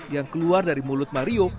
yang keluar dari mulut mario